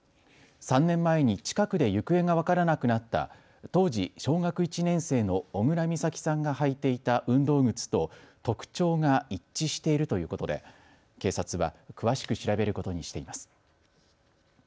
３年前に近くで行方が分からなくなった当時小学１年生の小倉美咲さんが履いていた運動靴と特徴が一致しているということで警察は詳しく調べることにしています。